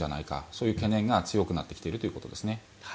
そういう懸念が強くなってきているということですね。